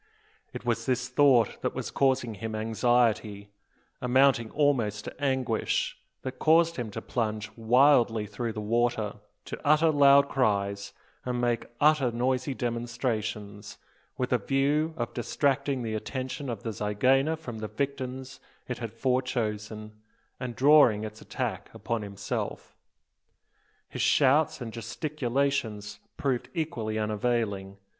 It was this thought that was causing him anxiety, amounting almost to anguish, that caused him to plunge wildly through the water, to utter loud cries, and make other noisy demonstrations, with a view of distracting the attention of the zygaena from the victims it had fore chosen, and drawing its attack upon himself. His shouts and gesticulations proved equally unavailing.